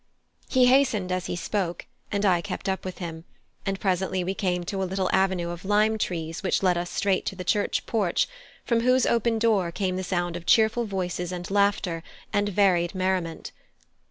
He hastened as he spoke, and I kept up with him, and presently we came to a little avenue of lime trees which led us straight to the church porch, from whose open door came the sound of cheerful voices and laughter, and varied merriment.